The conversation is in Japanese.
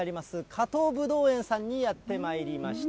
加藤ぶどう園さんにやってまいりました。